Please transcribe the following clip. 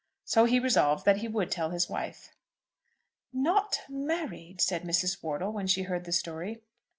So he resolved that he would tell his wife. "Not married," said Mrs. Wortle, when she heard the story.